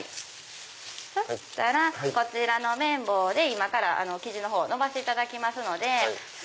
そしたらこちらの麺棒で今から生地のほうのばしていただきますので。